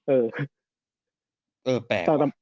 เออแปลก